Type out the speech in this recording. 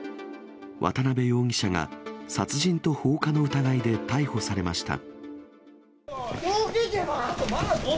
渡部容疑者が、殺人と放火の疑いで逮捕されました。